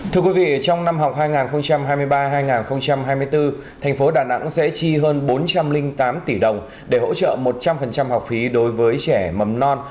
thưa quý vị trong năm học hai nghìn hai mươi ba hai nghìn hai mươi bốn thành phố đà nẵng sẽ chi hơn bốn trăm linh tám tỷ đồng để hỗ trợ một trăm linh học phí đối với trẻ mầm non